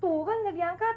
tuh kan gak diangkat